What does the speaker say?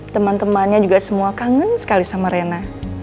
teman temannya juga semua kangen sekali sama rena